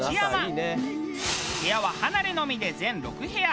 部屋は離れのみで全６部屋。